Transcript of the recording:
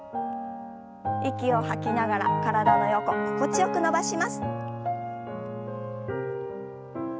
息を吐きながら体の横心地よく伸ばします。